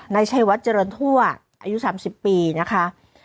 นายชัยวัดเจริญทั่วอายุ๓๐ปีนะคะ